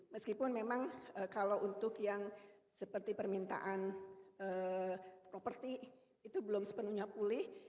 meskipun memang kalau untuk yang seperti permintaan properti itu belum sepenuhnya pulih